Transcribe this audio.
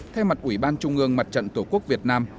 thay mặt ủy ban trung ương mặt trận tổ quốc việt nam